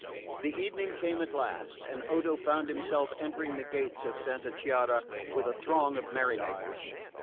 The evening came at last, and Odo found himself entering the gates of Santa Chiara with a throng of merry makers.